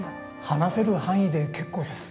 話せる範囲で結構です。